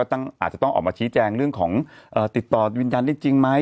อาจจะต้องออกมาชี้แจงเรื่องของติดต่อวิญญาณได้จริงไหม